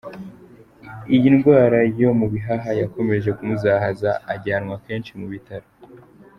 Iyi ndwara yo mu bihaha yakomeje kumuzahaza ajyanwa kenshi mu bitaro.